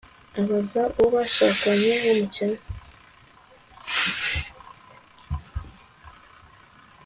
abaza uwo bashakanye w'umukene